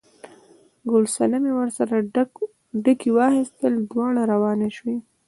ګل صنمې ورسره ډکي واخیستل، دواړه روانې شوې.